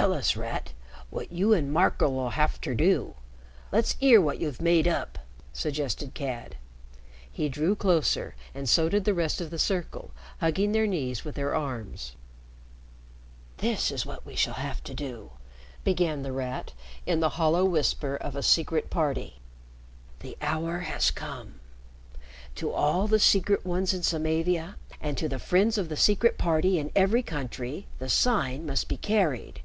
"Tell us, Rat, wot you an' Marco'll 'ave ter do. Let's 'ear wot you've made up," suggested Cad. He drew closer, and so did the rest of the circle, hugging their knees with their arms. "This is what we shall have to do," began The Rat, in the hollow whisper of a Secret Party. "The hour has come. To all the Secret Ones in Samavia, and to the friends of the Secret Party in every country, the sign must be carried.